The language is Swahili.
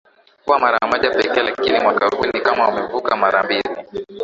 huwa mara moja pekee lakini mwaka huu ni kama wamevuka mara mbili